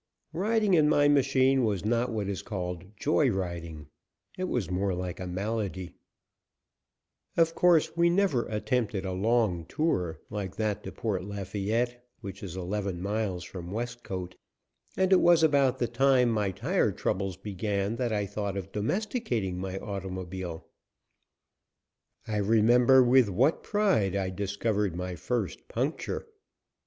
Riding in my machine was not what is called "joy riding." It was more like a malady. [Illustration: 237] Of course we never attempted a long tour, like that to Port Lafayette, which is eleven miles from Westcote, and it was about the time my tire troubles began that I thought of domesticating my automobile. I remember with what pride I discovered my first puncture.